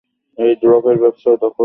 এই ড্রপের ব্যবসাও দখলে নিতে চাইল ওরা।